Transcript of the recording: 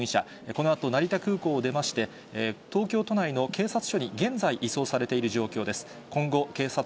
このあと、成田空港を出まして、東京都内の警察署に現在、移送されている状況です。